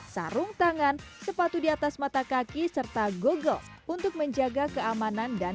sarung tangan sepatu di atas mata kaki serta google untuk menjaga keamanan dan